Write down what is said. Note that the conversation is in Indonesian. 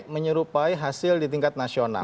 menyerupai hasil di tingkat nasional